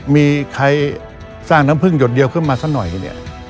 มีใครสร้างน้ำพึ่งหยดเดียวขึ้นมาสักหน่อยเนี่ย